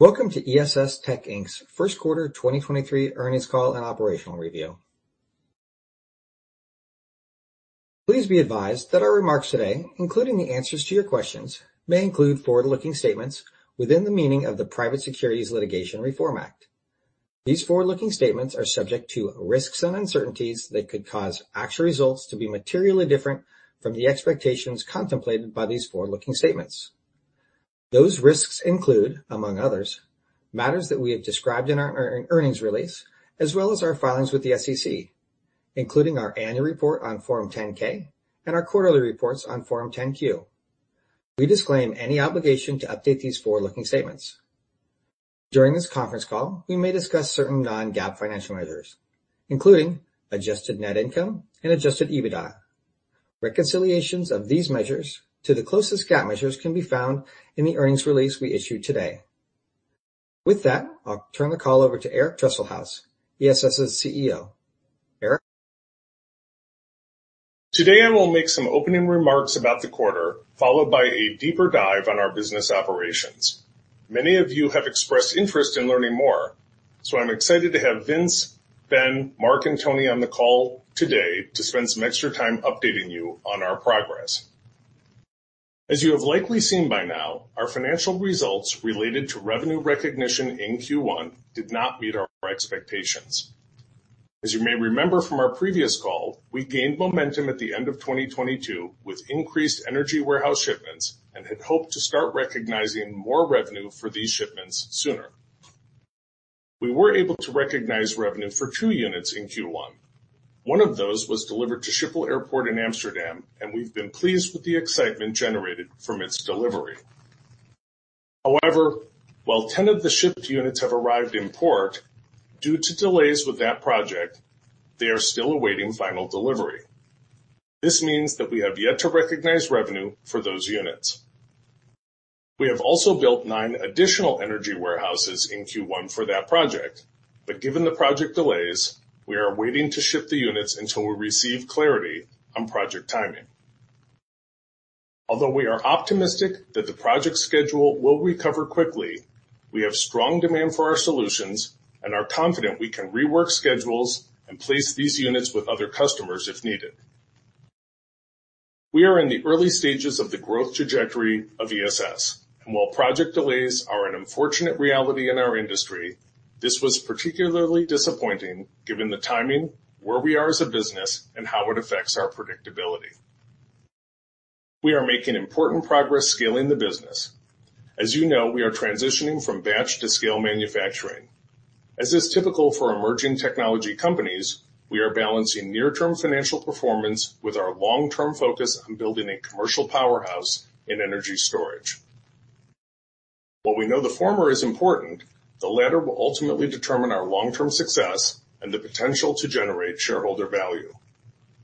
Welcome to ESS Tech Inc's first quarter 2023 earnings call and operational review. Please be advised that our remarks today, including the answers to your questions, may include forward-looking statements within the meaning of the Private Securities Litigation Reform Act. These forward-looking statements are subject to risks and uncertainties that could cause actual results to be materially different from the expectations contemplated by these forward-looking statements. Those risks include, among others, matters that we have described in our earnings release, as well as our filings with the SEC, including our annual report on Form 10-K and our quarterly reports on Form 10-Q. We disclaim any obligation to update these forward-looking statements. During this conference call, we may discuss certain non-GAAP financial measures, including adjusted net income and Adjusted EBITDA. Reconciliations of these measures to the closest GAAP measures can be found in the earnings release we issued today. With that, I'll turn the call over to Eric Dresselhuys, ESS' CEO. Eric? Today, I will make some opening remarks about the quarter, followed by a deeper dive on our business operations. Many of you have expressed interest in learning more. I'm excited to have Vince, Ben, Mark, and Tony on the call today to spend some extra time updating you on our progress. As you have likely seen by now, our financial results related to revenue recognition in Q1 did not meet our expectations. As you may remember from our previous call, we gained momentum at the end of 2022 with increased Energy Warehouse shipments and had hoped to start recognizing more revenue for these shipments sooner. We were able to recognize revenue for 2 units in Q1. One of those was delivered to Schiphol Airport in Amsterdam, and we've been pleased with the excitement generated from its delivery. While 10 of the shipped units have arrived in port, due to delays with that project, they are still awaiting final delivery. This means that we have yet to recognize revenue for those units. We have also built nine additional Energy Warehouses in Q1 for that project, but given the project delays, we are waiting to ship the units until we receive clarity on project timing. We are optimistic that the project schedule will recover quickly. We have strong demand for our solutions and are confident we can rework schedules and place these units with other customers if needed. We are in the early stages of the growth trajectory of ESS, and while project delays are an unfortunate reality in our industry, this was particularly disappointing given the timing, where we are as a business, and how it affects our predictability. We are making important progress scaling the business. As you know, we are transitioning from batch to scale manufacturing. As is typical for emerging technology companies, we are balancing near-term financial performance with our long-term focus on building a commercial powerhouse in energy storage. While we know the former is important, the latter will ultimately determine our long-term success and the potential to generate shareholder value.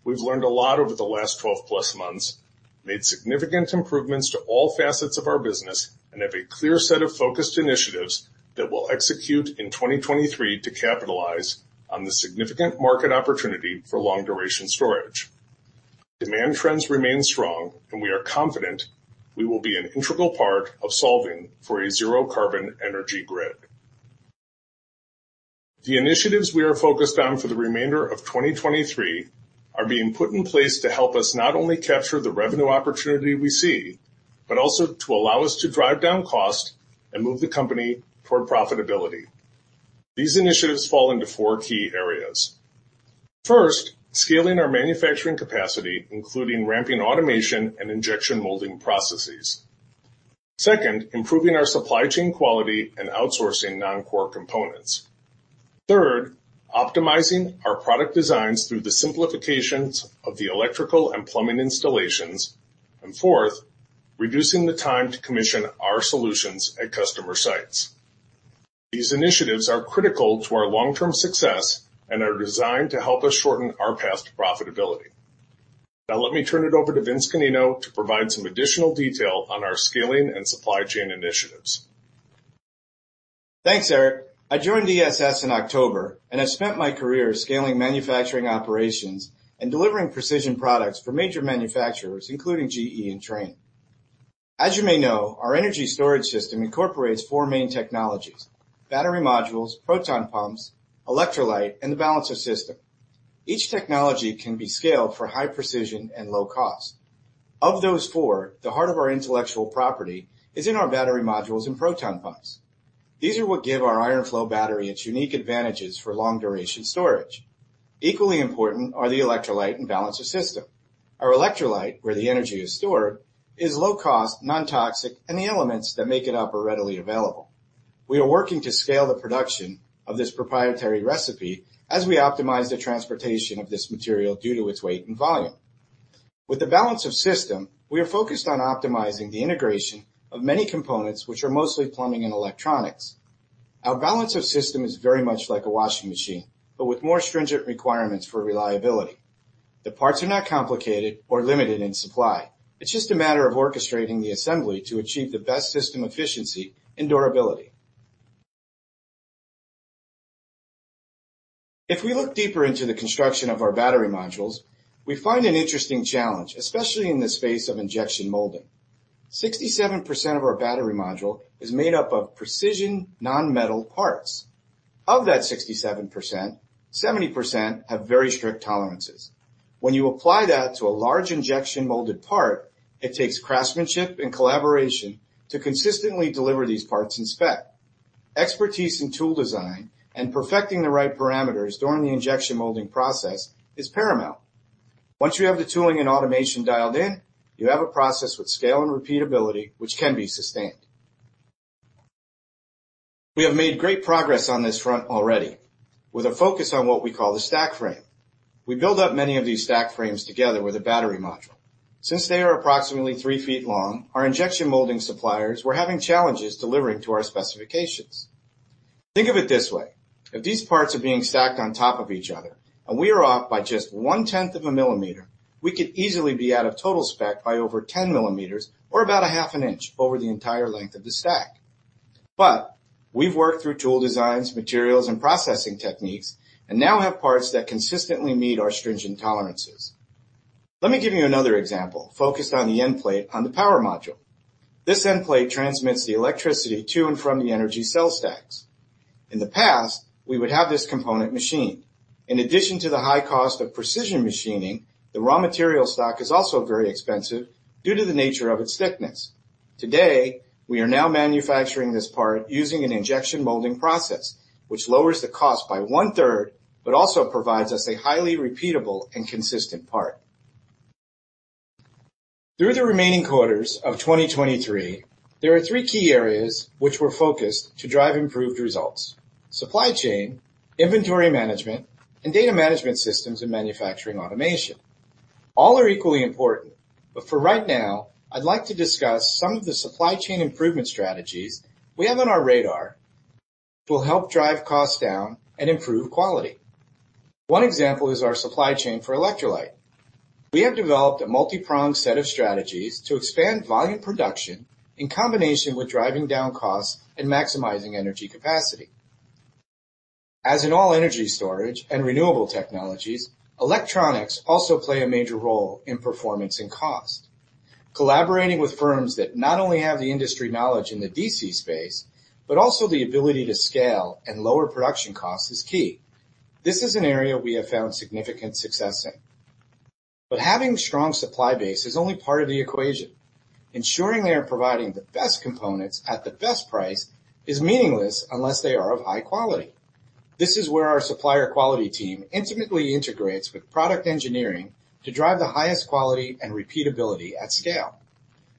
We've learned a lot over the last 12-plus months, made significant improvements to all facets of our business, and have a clear set of focused initiatives that we'll execute in 2023 to capitalize on the significant market opportunity for long-duration storage. Demand trends remain strong. We are confident we will be an integral part of solving for a zero-carbon energy grid. The initiatives we are focused on for the remainder of 2023 are being put in place to help us not only capture the revenue opportunity we see, but also to allow us to drive down cost and move the company toward profitability. These initiatives fall into four key areas. First, scaling our manufacturing capacity, including ramping up automation and injection molding processes. Second, improving our supply chain quality and outsourcing non-core components. Third, optimizing our product designs through the simplification of the electrical and plumbing installations. Fourth, reducing the time to commission our solutions at customer sites. These initiatives are critical to our long-term success and are designed to help us shorten our path to profitability. Now, let me turn it over to Vince Canino to provide some additional detail on our scaling and supply chain initiatives. Thanks, Eric. I joined ESS in October, and I've spent my career scaling manufacturing operations and delivering precision products for major manufacturers, including GE and Trane. As you may know, our energy storage system incorporates four main technologies: battery modules, proton pumps, electrolyte, and the balancer system. Each technology can be scaled for high precision and low cost. Of those four, the heart of our intellectual property is in our battery modules and proton pumps. These are what give our iron flow battery its unique advantages for long-duration storage. Equally important are the electrolyte and balancer system. Our electrolyte, where the energy is stored, is low cost, non-toxic, and the elements that make it up are readily available. We are working to scale the production of this proprietary recipe as we optimize the transportation of this material due to its weight and volume. With the balancer system, we are focused on optimizing the integration of many components which are mostly plumbing and electronics. Our balancer system is very much like a washing machine, but with more stringent requirements for reliability. The parts are not complicated or limited in supply. It's just a matter of orchestrating the assembly to achieve the best system efficiency and durability. If we look deeper into the construction of our battery modules, we find an interesting challenge, especially in the space of injection molding. 67% of our battery module is made up of precision non-metal parts. Of that 67%, 70% have very strict tolerances. When you apply that to a large injection-molded part, it takes craftsmanship and collaboration to consistently deliver these parts in spec. Expertise in tool design and perfecting the right parameters during the injection molding process is paramount. Once you have the tooling and automation dialed in, you have a process with scale and repeatability, which can be sustained. We have made great progress on this front already, with a focus on what we call the stack frame. We build up many of these stack frames together with a battery module. Since they are approximately three feet long, our injection molding suppliers were having challenges delivering to our specifications. Think of it this way, if these parts are being stacked on top of each other, and we are off by just one-tenth of a millimeter, we could easily be out of total spec by over 10 millimeters or about a half an inch over the entire length of the stack. We've worked through tool designs, materials, and processing techniques, and now have parts that consistently meet our stringent tolerances. Let me give you another example focused on the end plate of the power module. This end plate transmits the electricity to and from the energy cell stacks. In the past, we would have this component machined. In addition to the high cost of precision machining, the raw material stock is also very expensive due to the nature of its thickness. Today, we are now manufacturing this part using an injection molding process, which lowers the cost by one-third. Also provides us a highly repeatable and consistent part. Through the remaining quarters of 2023, there are three key areas which we're focused on to drive improved results. Supply chain, inventory management, data management systems, and manufacturing automation. All are equally important, but for right now, I'd like to discuss some of the supply chain improvement strategies we have on our radar, which will help drive costs down and improve quality. One example is our supply chain for electrolytes. We have developed a multi-pronged set of strategies to expand volume production in combination with driving down costs and maximizing energy capacity. As in all energy storage and renewable technologies, electronics also play a major role in performance and cost. Collaborating with firms that not only have the industry knowledge in the DC space, but also the ability to scale and lower production costs is key. This is an area we have found significant success in. Having a strong supply base is only part of the equation. Ensuring they are providing the best components at the best price is meaningless unless they are of high quality. This is where our supplier quality team intimately integrates with product engineering to drive the highest quality and repeatability at scale.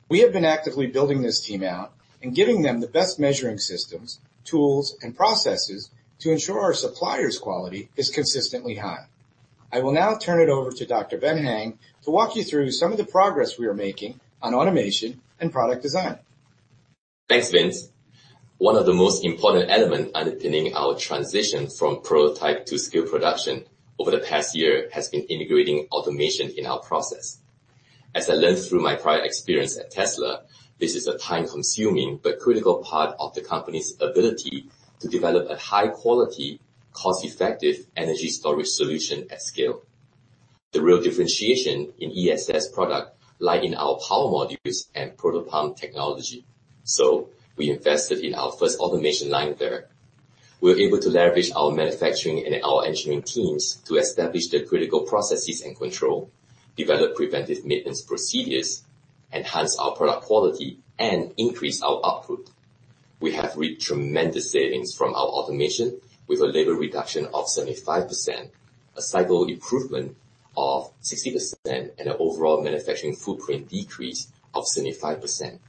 We have been actively building this team out and giving them the best measuring systems, tools, and processes to ensure our suppliers' quality is consistently high. I will now turn it over to Dr. Ben Heng to walk you through some of the progress we are making on automation and product design. Thanks, Vince. One of the most important elements underpinning our transition from prototype to scale production over the past year has been integrating automation in our process. As I learned through my prior experience at Tesla, this is a time-consuming but critical part of the company's ability to develop a high-quality, cost-effective energy storage solution at scale. The real differentiation in ESS products lies in our power modules and Proto Pump technology. We invested in our first automation line there. We're able to leverage our manufacturing and our engineering teams to establish the critical processes and control, develop preventive maintenance procedures, enhance our product quality, and increase our output. We have reaped tremendous savings from our automation with a labor reduction of 75%, a cycle improvement of 60%, and an overall manufacturing footprint decrease of 75%.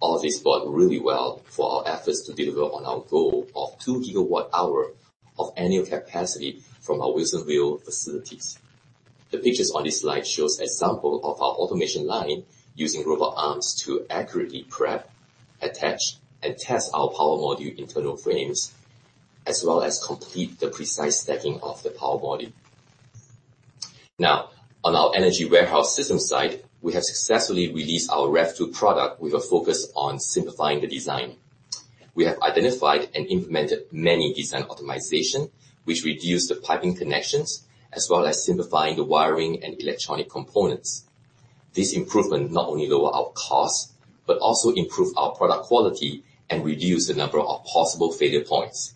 All of this bodes really well for our efforts to deliver on our goal of 2 GWh of annual capacity from our Wilsonville facilities. The pictures on this slide shows example of our automation line using robot arms to accurately prep, attach, and test our power module internal frames, as well as complete the precise stacking of the power module. Now, on our Energy Warehouse system side, we have successfully released our Rev 2 product with a focus on simplifying the design. We have identified and implemented many design optimizations, which reduce the piping connections, as well as simplify the wiring and electronic components. This improvement not only lowers our cost, but also improves our product quality and reduces the number of possible failure points.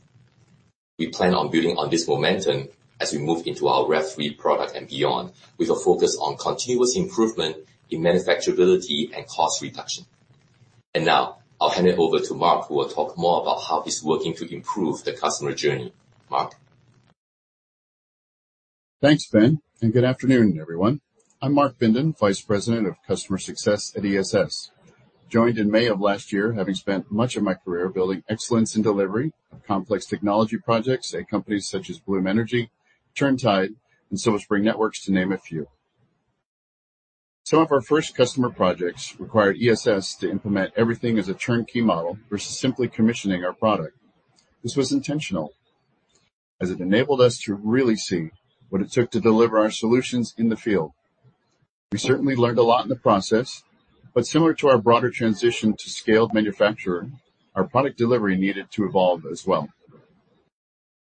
We plan on building on this momentum as we move into our Rev 3 product and beyond, with a focus on continuous improvement in manufacturability and cost reduction. Now I'll hand it over to Mark, who will talk more about how he's working to improve the customer journey. Mark? Thanks, Ben. Good afternoon, everyone. I'm Mark Bindon, Vice President of Customer Success at ESS. Joined in May of last year, having spent much of my career building excellence in the delivery of complex technology projects at companies such as Bloom Energy, Turntide Technologies, and Silver Spring Networks, to name a few. Some of our first customer projects required ESS to implement everything as a turnkey model versus simply commissioning our product. This was intentional, as it enabled us to really see what it took to deliver our solutions in the field. We certainly learned a lot in the process, similar to our broader transition to scaled manufacturer, our product delivery needed to evolve as well.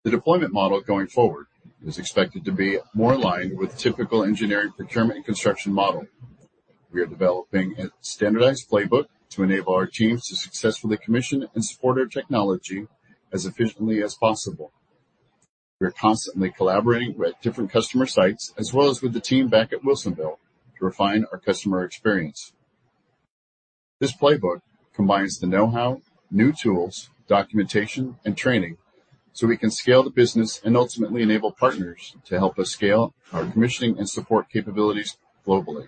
The deployment model going forward is expected to be more aligned with typical engineering procurement and construction model. We are developing a standardized playbook to enable our teams to successfully commission and support our technology as efficiently as possible. We are constantly collaborating with different customer sites as well as with the team back at Wilsonville to refine our customer experience. This playbook combines the know-how, new tools, documentation, and training so we can scale the business and ultimately enable partners to help us scale our commissioning and support capabilities globally.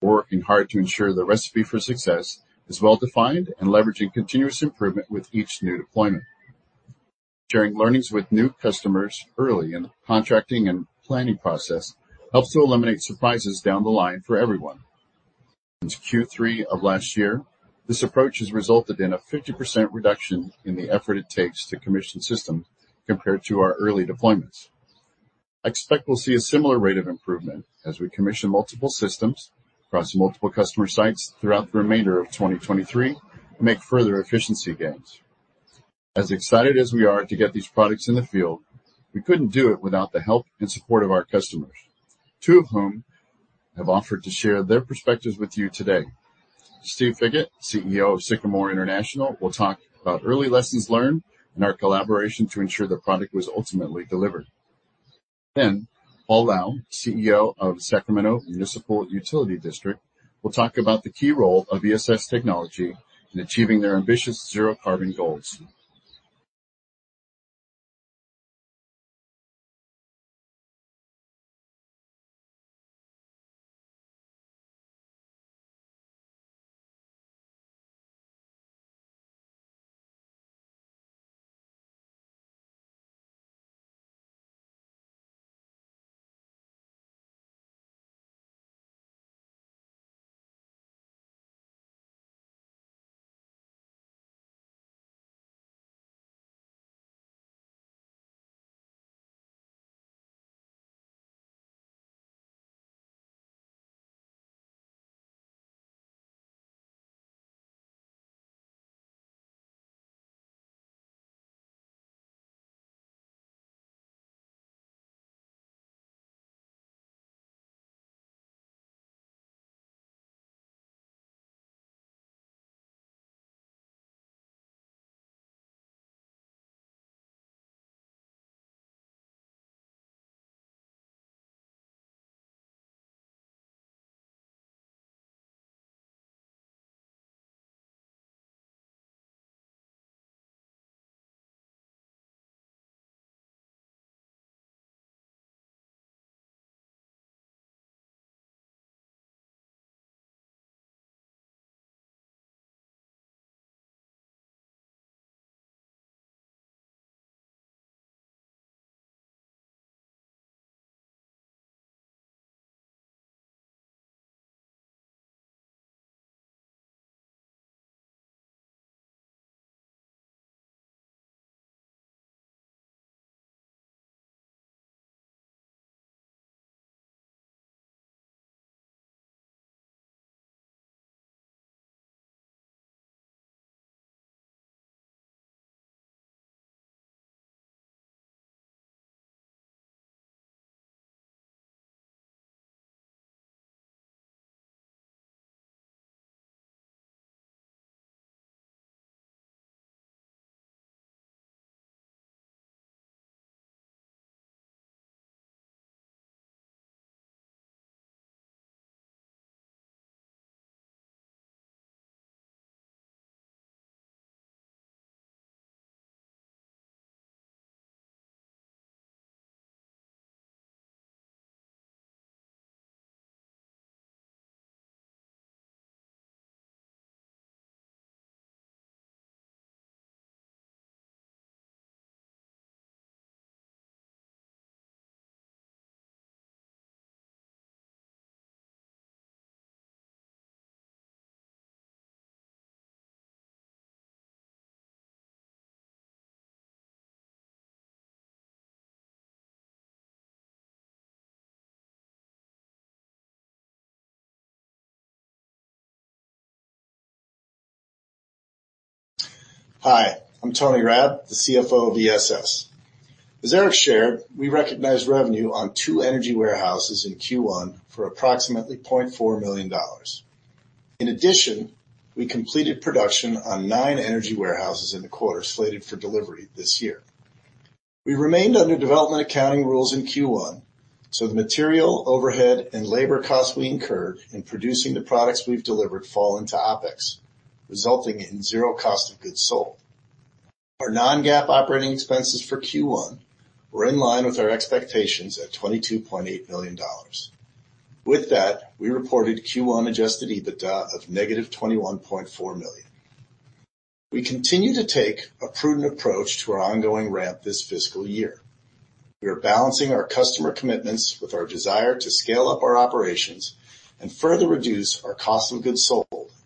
We're working hard to ensure the recipe for success is well-defined and leveraging continuous improvement with each new deployment. Sharing learnings with new customers early in the contracting and planning process helps to eliminate surprises down the line for everyone. Since Q3 of last year, this approach has resulted in a 50% reduction in the effort it takes to commission systems compared to our early deployments. I expect we'll see a similar rate of improvement as we commission multiple systems across multiple customer sites throughout the remainder of 2023 and make further efficiency gains. As excited as we are to get these products in the field, we couldn't do it without the help and support of our customers, two of whom have offered to share their perspectives with you today. Steve Figgatt, CEO of Sycamore International, will talk about early lessons learned and our collaboration to ensure the product was ultimately delivered. Paul Lau, CEO of Sacramento Municipal Utility District, will talk about the key role of ESS technology in achieving their ambitious zero carbon goals.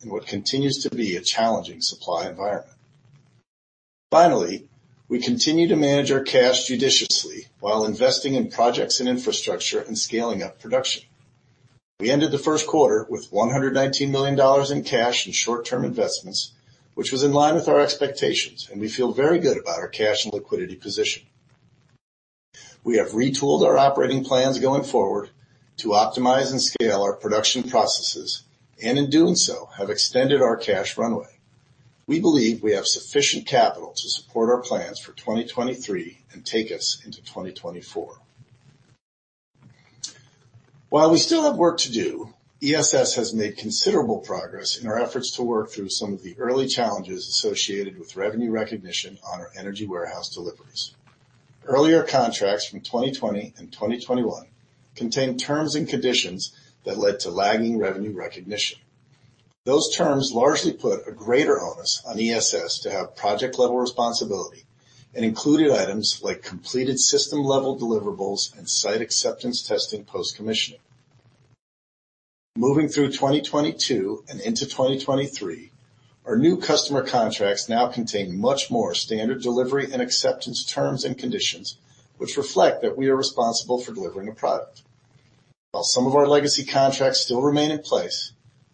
We continue to manage our cash judiciously while investing in projects and infrastructure and scaling up production. We ended the first quarter with $119 million in cash and short-term investments, which was in line with our expectations, and we feel very good about our cash and liquidity position. We have retooled our operating plans going forward to optimize and scale our production processes, and in doing so, have extended our cash runway. We believe we have sufficient capital to support our plans for 2023 and take us into 2024. While we still have work to do, ESS has made considerable progress in our efforts to work through some of the early challenges associated with revenue recognition on our Energy Warehouse deliveries. Earlier contracts from 2020 and 2021 contained terms and conditions that led to lagging revenue recognition. Those terms largely put a greater onus on ESS to have project-level responsibility and included items like completed system-level deliverables and site acceptance testing post-commissioning. Moving through 2022 and into 2023, our new customer contracts now contain much more standard delivery and acceptance terms and conditions, which reflect that we are responsible for delivering a product. While some of our legacy contracts still remain in place,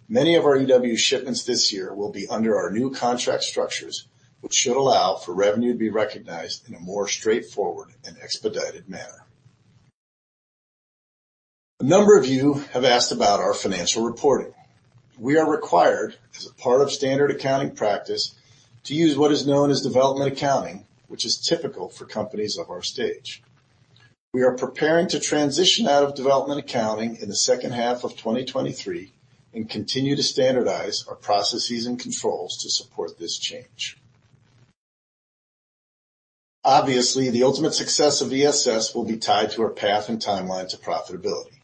many of our EW shipments this year will be under our new contract structures, which should allow for revenue to be recognized in a more straightforward and expedited manner. A number of you have asked about our financial reporting. We are required, as a part of standard accounting practice, to use what is known as development accounting, which is typical for companies of our stage. We are preparing to transition out of development accounting in the second half of 2023 and continue to standardize our processes and controls to support this change. Obviously, the ultimate success of ESS will be tied to our path and timeline to profitability.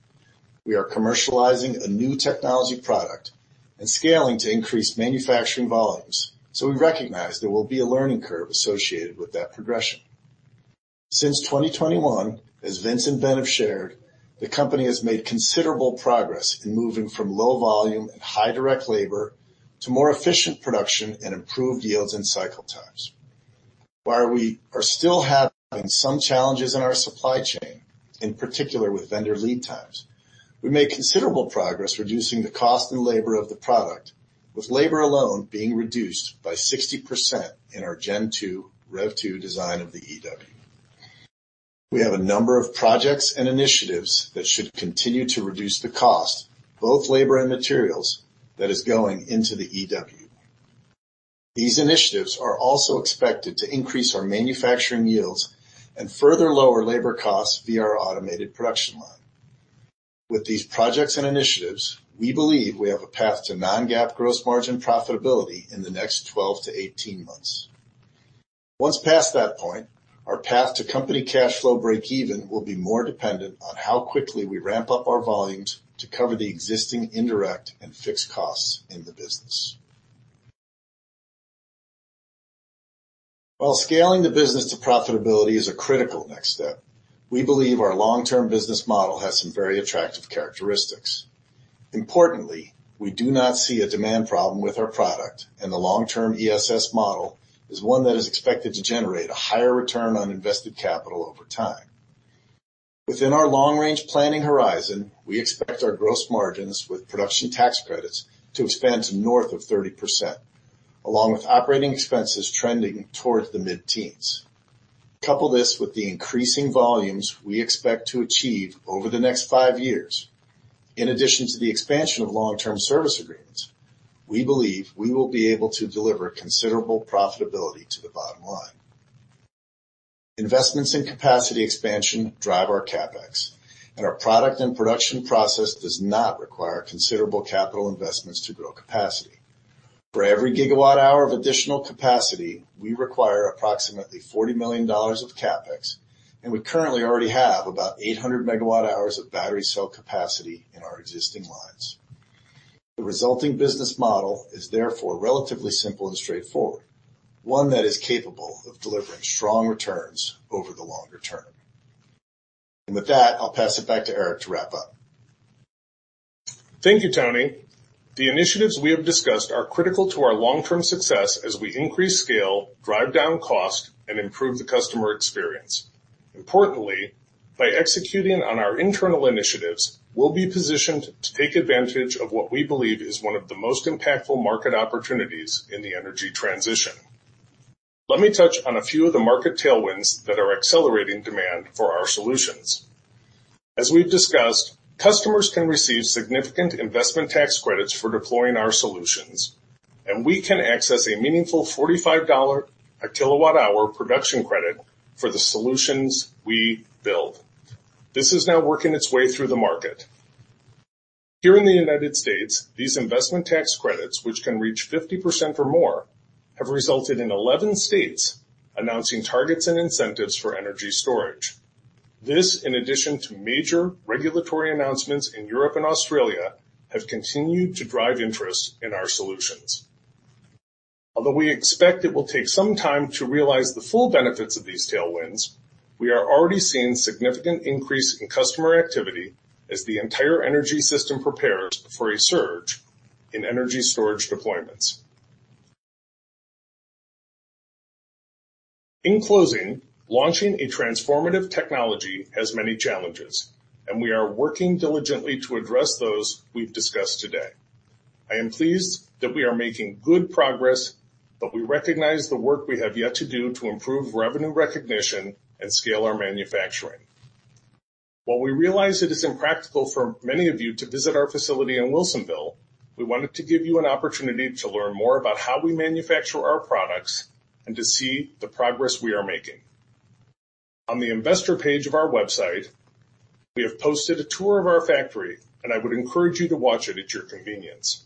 We are commercializing a new technology product and scaling to increase manufacturing volumes, so we recognize there will be a learning curve associated with that progression. Since 2021, as Vince and Ben have shared, the company has made considerable progress in moving from low volume and high direct labor to more efficient production and improved yields and cycle times. While we are still having some challenges in our supply chain, in particular with vendor lead times, we made considerable progress in reducing the cost and labor of the product, with labor alone being reduced by 60% in our Gen 2, Rev 2 design of the EW. We have a number of projects and initiatives that should continue to reduce the cost, both labor and materials, that is going into the EW. These initiatives are also expected to increase our manufacturing yields and further lower labor costs via our automated production line. With these projects and initiatives, we believe we have a path to non-GAAP gross margin profitability in the next 12 to 18 months. Once past that point, our path to company cash flow breakeven will be more dependent on how quickly we ramp up our volumes to cover the existing indirect and fixed costs in the business. While scaling the business to profitability is a critical next step, we believe our long-term business model has some very attractive characteristics. Importantly, we do not see a demand problem with our product, and the long-term ESS model is one that is expected to generate a higher return on invested capital over time. Within our long-range planning horizon, we expect our gross margins with production tax credits to expand to north of 30%, along with OpEx trending towards the mid-teens. Couple this with the increasing volumes we expect to achieve over the next five years. In addition to the expansion of long-term service agreements, we believe we will be able to deliver considerable profitability to the bottom line. Investments in capacity expansion drive our CapEx, and our product and production process does not require considerable capital investments to grow capacity. For every gigawatt hour of additional capacity, we require approximately $40 million of CapEx. We currently already have about 800 megawatt hours of battery cell capacity in our existing lines. The resulting business model is therefore relatively simple and straightforward, one that is capable of delivering strong returns over the longer term. With that, I'll pass it back to Eric to wrap up. Thank you, Tony. The initiatives we have discussed are critical to our long-term success as we increase scale, drive down cost, and improve the customer experience. Importantly, by executing on our internal initiatives, we'll be positioned to take advantage of what we believe is one of the most impactful market opportunities in the energy transition. Let me touch on a few of the market tailwinds that are accelerating demand for our solutions. As we've discussed, customers can receive significant Investment Tax Credits for deploying our solutions, and we can access a meaningful $45 kWh production credit for the solutions we build. This is now working its way through the market. Here in the U.S., these Investment Tax Credits, which can reach 50% or more, have resulted in 11 states announcing targets and incentives for energy storage. This, in addition to major regulatory announcements in Europe and Australia, has continued to drive interest in our solutions. Although we expect it will take some time to realize the full benefits of these tailwinds, we are already seeing a significant increase in customer activity as the entire energy system prepares for a surge. In energy storage deployments. In closing, launching a transformative technology has many challenges, and we are working diligently to address those we've discussed today. I am pleased that we are making good progress, but we recognize the work we have yet to do to improve revenue recognition and scale our manufacturing. We realize it is impractical for many of you to visit our facility in Wilsonville, so we wanted to give you an opportunity to learn more about how we manufacture our products and to see the progress we are making. On the investor page of our website, we have posted a tour of our factory, and I would encourage you to watch it at your convenience.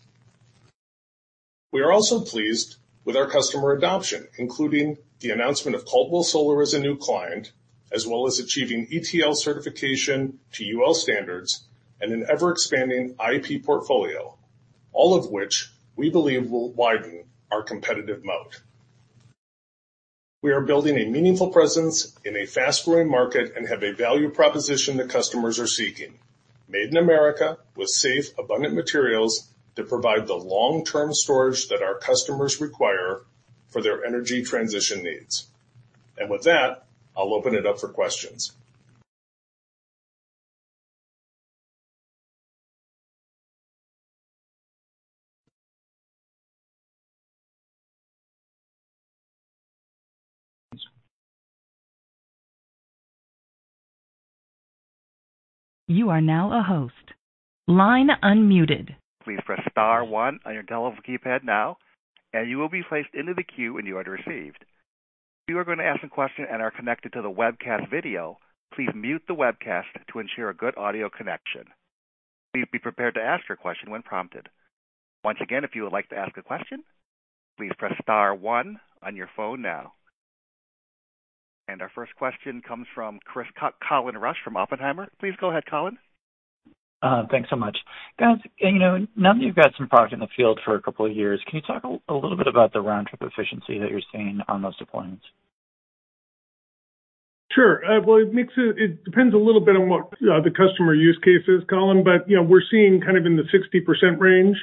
We are also pleased with our customer adoption, including the announcement of Coldwell Solar as a new client, as well as achieving ETL certification to UL standards and an ever-expanding IP portfolio, all of which we believe will widen our competitive moat. We are building a meaningful presence in a fast-growing market and have a value proposition that customers are seeking. Made in America with safe, abundant materials that provide the long-term storage that our customers require for their energy transition needs. With that, I'll open it up for questions. You are now a host. Line unmuted. Please press star one on your telephone keypad now, and you will be placed into the queue when you are received. If you are going to ask a question and are connected to the webcast video, please mute the webcast to ensure a good audio connection. Please be prepared to ask your question when prompted. Once again, if you would like to ask a question, please press star one on your phone now. Our first question comes from Colin Rusch from Oppenheimer. Please go ahead, Colin. Thanks so much. Guys, you know, now that you've got some product in the field for couple of years, can you talk a little bit about the round-trip efficiency that you're seeing on those deployments? Sure. Well, it depends a little bit on what the customer's use case is, Colin. You know, we're seeing kind of in the 60% range.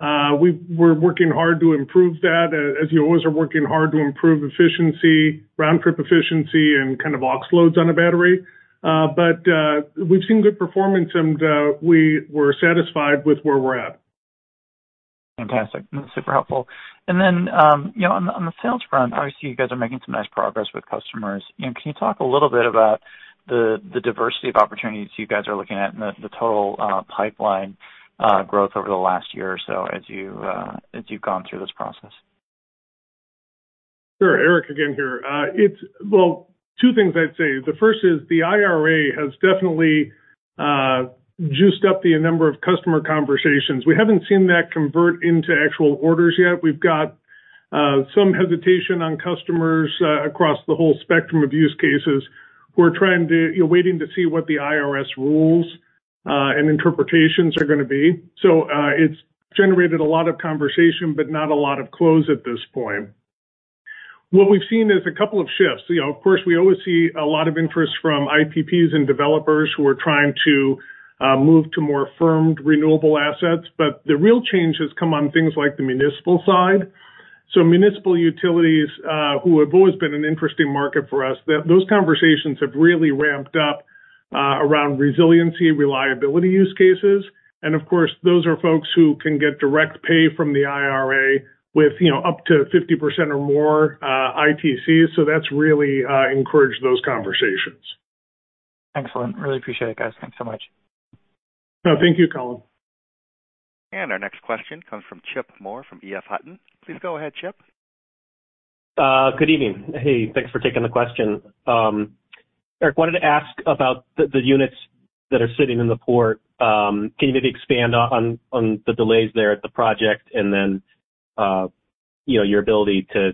We're working hard to improve that, as you always are working hard to improve efficiency, round-trip efficiency, and kind of aux loads on a battery. We've seen good performance, and we were satisfied with where we're at. Fantastic. Super helpful. Then, you know, on the sales front, obviously, you guys are making some nice progress with customers. Can you talk a little bit about the diversity of opportunities you guys are looking at and the total pipeline growth over the last year or so as you, as you've gone through this process? Sure. Eric again here. Well, two things I'd say. The first is that the IRA has definitely juiced up the number of customer conversations. We haven't seen that convert into actual orders yet. We've got some hesitation on customers across the whole spectrum of use cases. You're waiting to see what the IRS rules and interpretations are gonna be. It's generated a lot of conversation, but not a lot of closure at this point. What we've seen is a couple of shifts. You know, of course, we always see a lot of interest from IPPs and developers who are trying to move to more firm renewable assets. The real change has come on things like the municipal side. Municipal utilities, who have always been an interesting market for us, that those conversations have really ramp up around resiliency, reliability use cases. Of course, those are folks who can get direct pay from the IRA with, you know, up to 50% or more ITCs. That's really encouraged those conversations. Excellent. Really appreciate it, guys. Thanks so much. No, thank you, Colin. Our next question comes from Chip Moore from EF Hutton. Please go ahead, Chip. Good evening. Hey, thanks for taking the question. Eric wanted to ask about the units that are sitting in the port. Can you maybe expand on the delays there at the project, and then, you know, your ability to,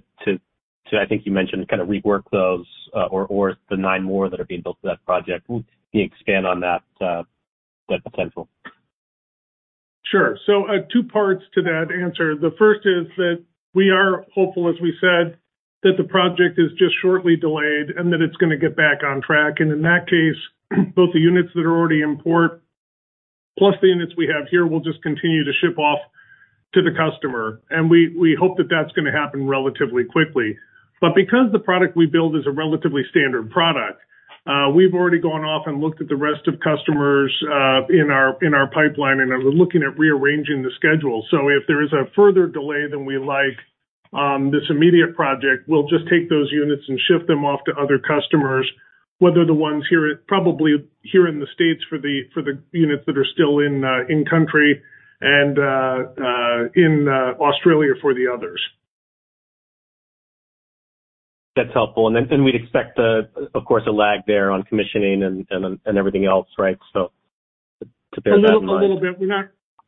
I think you mentioned, kind of rework those, or the nine more that are being built for that project. Can you expand on that potential? Sure. Two parts to that answer. The first is that we are hopeful, as we said, that the project is just shortly delayed and that it's gonna get back on track. In that case, both the units that are already in port, plus the units we have here, we'll just continue to ship off to the customer. We, we hope that that's gonna happen relatively quickly. Because the product we build is a relatively standard product, we've already gone off and looked at the rest of the customers, in our, in our pipeline and are looking at rearranging the schedule. If there is a further delay than we'd like on this immediate project, we'll just take those units and ship them off to other customers, whether the ones here, probably here in the States, for the units that are still in country, and in Australia for the others. That's helpful. Then, then we'd expect, of course, a lag there on commissioning and everything else, right? To bear that in mind. A little bit.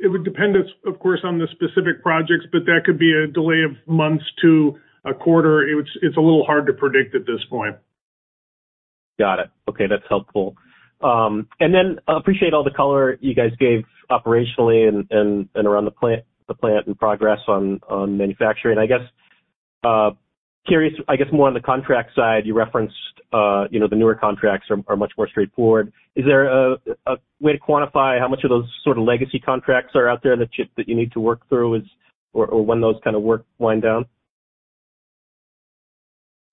It would depend, of course, on the specific projects, but that could be a delay of months to a quarter. It's a little hard to predict at this point. Got it. Okay, that's helpful. Then appreciate all the color you guys gave operationally and around the plant and progress on manufacturing. Curious, more on the contract side, you referenced, you know, the newer contracts are much more straightforward. Is there a way to quantify how much of those sort of legacy contracts are out there that you need to work through or when those kind of work wind down?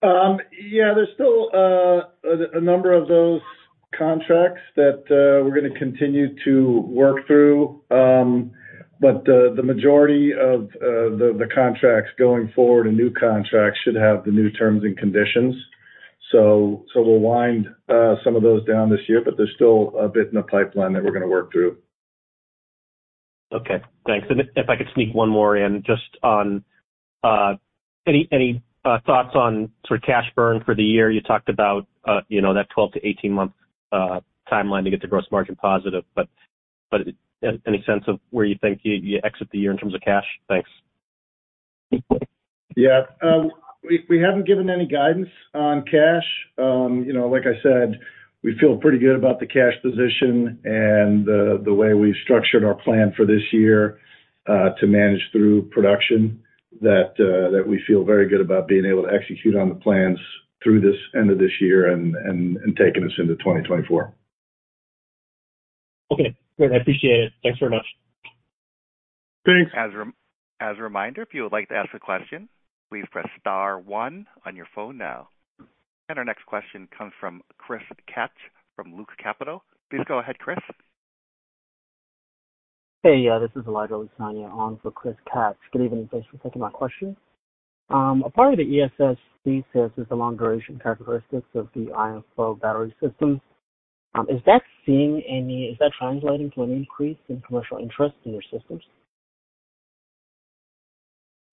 Yeah, there's still a number of those contracts that we're gonna continue to work through. The majority of the contracts going forward and new contracts should have the new terms and conditions. We'll wind some of those down this year, but there's still a bit in the pipeline that we're gonna work through. Okay. Thanks. If I could sneak one more in just on any thoughts on sort of cash burn for the year. You talked about, you know, that 12-18 month timeline to get to gross margin positive, but any sense of where you think you exit the year in terms of cash? Thanks. Yeah. We haven't given any guidance on cash. You know, like I said, we feel pretty good about the cash position and the way we've structured our plan for this year to manage through production that we feel very good about being able to execute on the plans through this end of this year and taking us into 2024. Okay. Good. I appreciate it. Thanks very much. Thanks. As a reminder, if you would like to ask a question, please press star one on your phone now. Our next question comes from Chris Kapsch from Loop Capital. Please go ahead, Chris. Hey, this is Elijah Obasanya on for Chris Kapsch. Good evening. Thanks for taking my question. A part of the ESS thesis is the long-duration characteristics of the iron flow battery systems. Is that translating to an increase in commercial interest in your systems?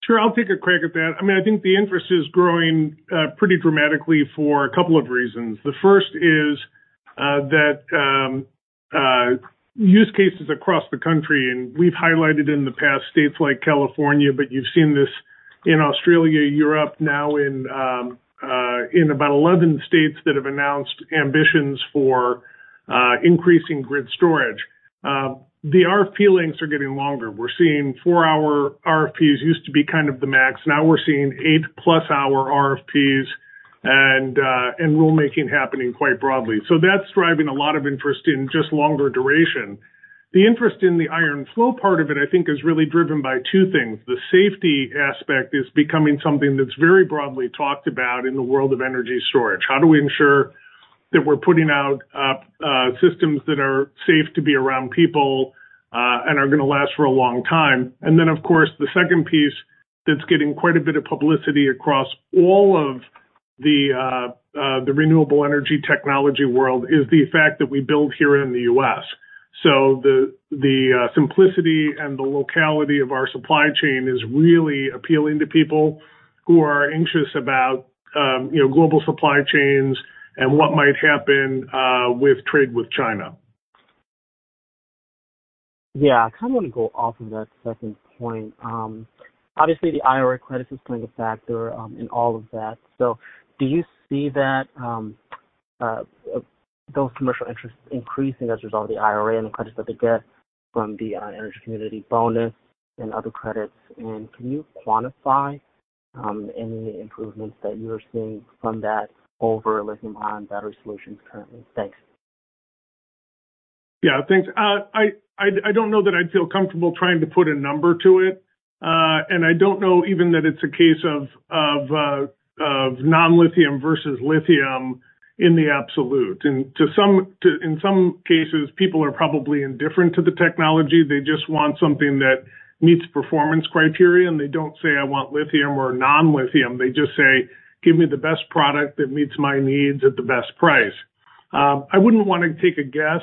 Sure. I'll take a crack at that. I mean, I think the interest is growing, pretty dramatically for a couple of reasons. The first is that use cases across the country, and we've highlighted in the past states like California, but you've seen this in Australia, Europe now in about 11 states that have announced ambitions for increasing grid storage. The RFPs are getting longer. We're seeing four-hour RFPs used to be kind of the max. Now we're seeing eight-plus hour RFPs and rulemaking happening quite broadly. That's driving a lot of interest in just longer duration. The interest in the iron flow part of it, I mean, is really driven by two things. The safety aspect is becoming something that's very broadly talked about in the world of energy storage. How do we ensure that we're putting out systems that are safe to be around people, and are gonna last for a long time? Of course, the second piece that's getting quite a bit of publicity across all of the renewable energy technology world is the fact that we build here in the U.S. The, the simplicity and the locality of our supply chain is really appealing to people who are anxious about, you know, global supply chains and what might happen, with trade with China. Yeah. I kind of wanna go off of that second point. Obviously the IRA credit is playing a factor in all of that. Do you see that those commercial interests increasing as a result of the IRA and the credits that they get from the energy community bonus and other credits? Can you quantify any improvements that you are seeing from that over lithium-ion battery solutions currently? Thanks. Yeah. Thanks. I don't know that I'd feel comfortable trying to put a number to it. I don't know even that it's a case of non-lithium versus lithium in the absolute. In some cases, people are probably indifferent to the technology. They just want something that meets performance criteria, and they don't say, "I want lithium or non-lithium." They just say, "Give me the best product that meets my needs at the best price." I wouldn't wanna take a guess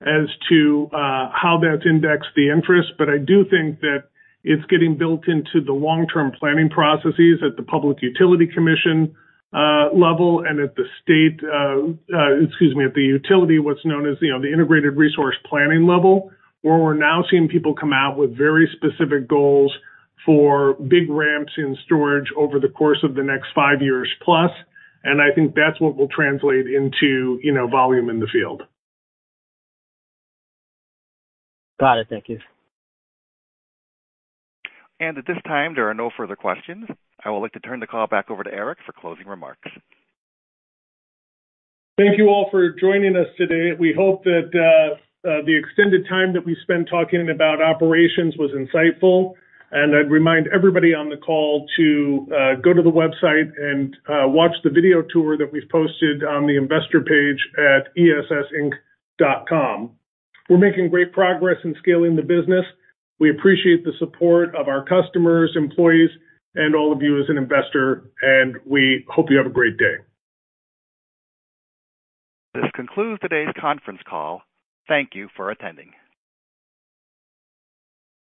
as to how that's indexed the interest, but I do think that it's getting built into the long-term planning processes at the public utility commission level and at the state, excuse me, at the utility, what's known as, you know, the integrated resource planning level, where we're now seeing people come out with very specific goals for big ramps in storage over the course of the next five years plus. I think that's what will translate into, you know, volume in the field. Got it. Thank you. At this time, there are no further questions. I would like to turn the call back over to Eric for closing remarks. Thank you all for joining us today. We hope that the extended time that we spent talking about operations was insightful. I'd remind everybody on the call to go to the website and watch the video tour that we've posted on the investor page at essinc.com. We're making great progress in scaling the business. We appreciate the support of our customers, employees, and all of you as an investor, and we hope you have a great day. This concludes today's conference call. Thank you for attending.